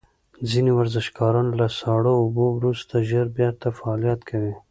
ځینې ورزشکاران له ساړه اوبو وروسته ژر بیرته فعالیت کوي.